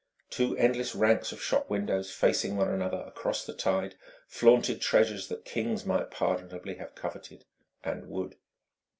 Two endless ranks of shop windows, facing one another across the tide, flaunted treasures that kings might pardonably have coveted and would.